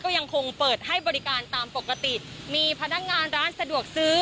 ยังคงเปิดให้บริการตามปกติมีพนักงานร้านสะดวกซื้อ